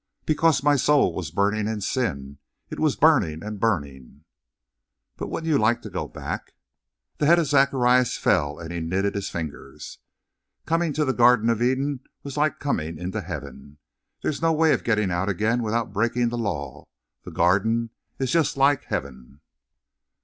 "Because my soul was burning in sin. It was burning and burning!" "But wouldn't you like to go back?" The head of Zacharias fell and he knitted his fingers. "Coming to the Garden of Eden was like coming into heaven. There's no way of getting out again without breaking the law. The Garden is just like heaven!"